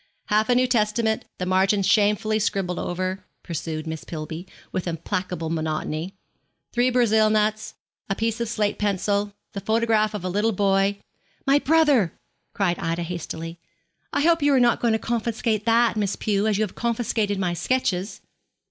'Half a New Testament the margins shamefully scribbled over,' pursued Miss Pillby, with implacable monotony. 'Three Brazil nuts. A piece of slate pencil. The photograph of a little boy ' 'My brother,' cried Ida hastily. 'I hope you are not going to confiscate that, Miss Pew, as you have confiscated my sketches.'